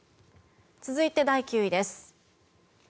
続いて、第９位です。